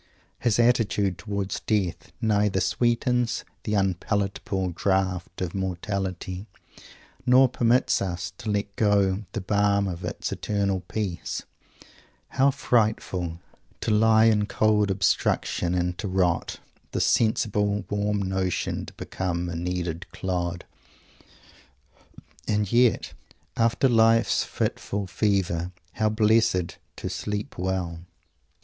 His attitude towards death neither sweetens "the unpalatable draught of mortality" nor permits us to let go the balm of its "eternal peace." How frightful "to lie in cold obstruction and to rot; this sensible warm motion to become a kneaded clod!" and yet, "after life's fitful fever," how blessed to "sleep well!"